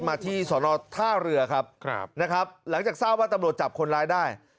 มาที่สอนอท่าเรือครับนะครับหลังจากทราบว่าตำรวจจับคนร้ายได้